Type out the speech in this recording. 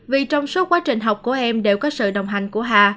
vì trong số quá trình học của em đều có sự đồng hành của h